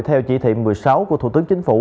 theo chỉ thị một mươi sáu của thủ tướng chính phủ